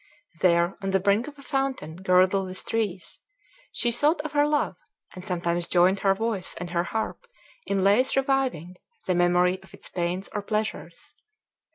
There, on the brink of a fountain girdled with trees, she thought of her love, and sometimes joined her voice and her harp in lays reviving the memory of its pains or pleasures.